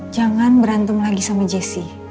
jangan berantem lagi sama jesse